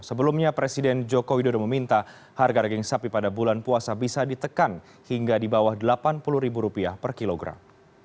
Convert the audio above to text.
sebelumnya presiden joko widodo meminta harga daging sapi pada bulan puasa bisa ditekan hingga di bawah rp delapan puluh per kilogram